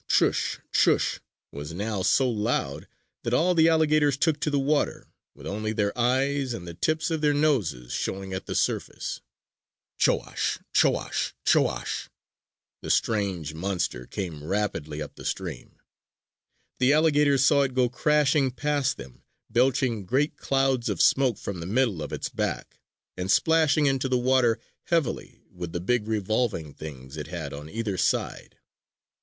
_ Chush! Chush! was now so loud that all the alligators took to the water, with only their eyes and the tips of their noses showing at the surface. Cho ash h h! Cho ash h h! Cho ash h h! The strange monster came rapidly up the stream. The alligators saw it go crashing past them, belching great clouds of smoke from the middle of its back, and splashing into the water heavily with the big revolving things it had on either side.